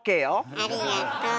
ありがとう。